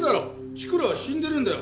志倉は死んでるんだよ。